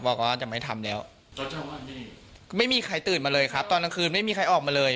บอกว่าจะไม่ทำแล้วไม่มีใครตื่นมาเลยครับตอนกลางคืนไม่มีใครออกมาเลย